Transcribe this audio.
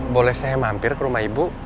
boleh saya mampir ke rumah ibu